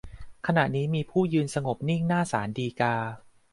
ขณะนี้มีผู้ยืนสงบนิ่งหน้าศาลฎีกา